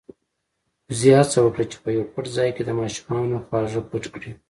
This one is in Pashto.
وزې هڅه وکړه چې په يو پټ ځای کې د ماشومانو خواږه پټ کړي.